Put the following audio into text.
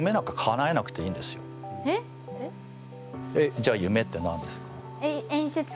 じゃあ夢って何ですか？